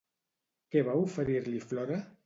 Què va oferir-li Flora?